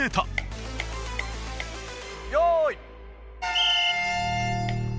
よい。